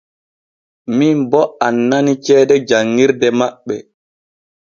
Min boo annani ceede janŋirde maɓɓe.